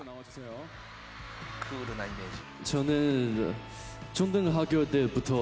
クールなイメージ。